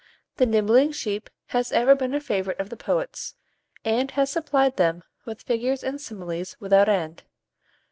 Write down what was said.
The "nibbling sheep" has ever been a favourite of the poets, and has supplied them with figures and similes without end.